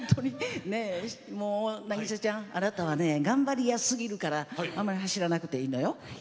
凪咲ちゃんあなたは頑張り屋やからあんまり走らなくていいのよ。